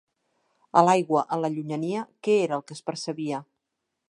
A l'aigua, en la llunyania, què era el que es percebia?